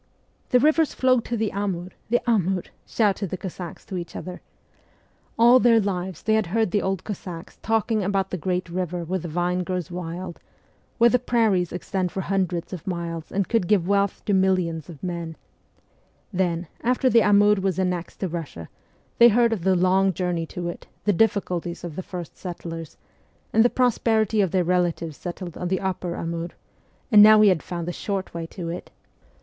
' The rivers flow to the Amur, the Amur !' shouted the Cossacks to each other. All their lives they had heard the old Cossacks talking about the great river where the vine grows wild, where the prairies extend for hundreds of miles and could give wealth to millions of men ; then, after the Amur was annexed to Kussia, they heard of the long journey to it, the difficulties of the first settlers, and the prosperity of their relatives settled on the upper Amur ; and now we had found the short way to it